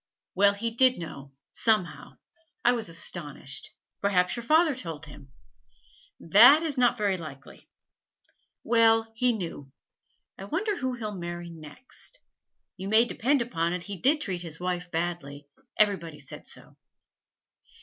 'Well, he did know, somehow; I was astonished. Perhaps your father told him?' 'That is not very likely.' 'Well, he knew. I wonder who he'll marry next. You may depend upon it he did treat his wife badly; everybody said so.